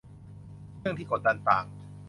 เรื่องที่กดดันต่าง